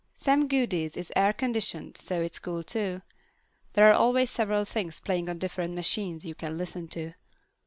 Sam Goody's is air conditioned, so it's cool too. There are always several things playing on different machines you can listen to.